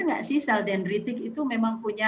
nggak sih sel dendritik itu memang punya